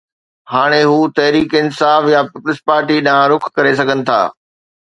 هاڻي هو تحريڪ انصاف يا پيپلز پارٽي ڏانهن رخ ڪري سگهن ٿا